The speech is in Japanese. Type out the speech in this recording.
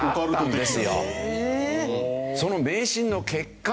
その迷信の結果